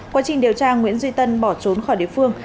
quá trình điều tra nguyễn duy tân bỏ trốn khỏi địa phương